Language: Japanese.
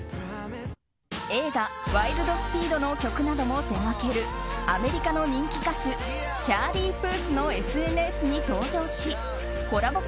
映画「ワイルド・スピード」の曲なども手掛けるアメリカの人気歌手チャーリー・プースのＳＮＳに登場しコラボ